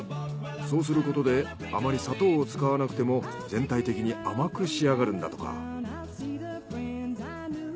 そうすることであまり砂糖を使わなくても全体的に甘く仕上がるんだとか。